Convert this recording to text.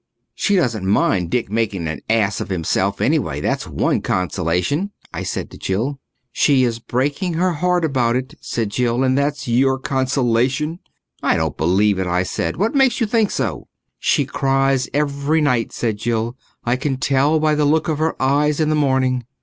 "She doesn't mind Dick's making an ass of himself, anyway, that's one consolation," I said to Jill. "She is breaking her heart about it," said Jill, "and that's your consolation!" "I don't believe it," I said. "What makes you think so?" "She cries every night," said Jill. "I can tell by the look of her eyes in the morning."